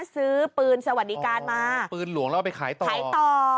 ซื้อปืนสวัสดิการมาปืนหลวงแล้วเอาไปขายต่อขายต่อ